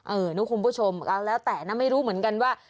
เออนะคุณผู้ชมเอาแล้วแต่นะไม่รู้เหมือนกันว่า